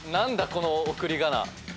この送り仮名。